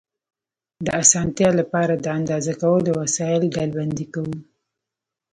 د اسانتیا لپاره د اندازه کولو وسایل ډلبندي کوو.